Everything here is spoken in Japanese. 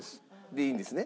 でいいんですね？